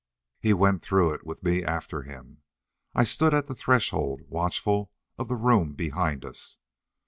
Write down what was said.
He went through it, with me after him. I stood at the threshold, watchful of the room behind us.